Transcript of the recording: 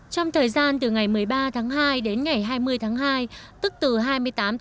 trong thời gian từ ngày một mươi ba tháng hai đến ngày hai mươi tháng hai tức từ hai mươi tám tháng chạp đến hết mùng năm tết